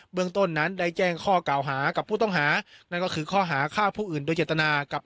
เมืองต้นนั้นได้แจ้งข้อกล่าวหากับผู้ต้องหานั่นก็คือข้อหาฆ่าผู้อื่นโดยเจตนากับ